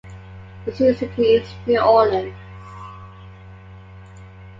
The see city is New Orleans.